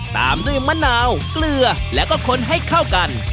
ตามด้วยมะนาวเกลือแล้วก็คนให้เข้ากัน